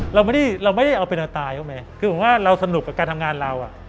เราไม่ได้เอาเป็นอาจตายหรือไม่คือผมว่าเราสนุกกับการทำงานเรา